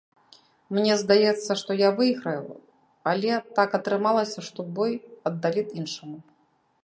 Мне здаецца, што я выйграў, але так атрымалася, што бой аддалі іншаму.